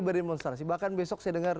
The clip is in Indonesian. berdemonstrasi bahkan besok saya dengar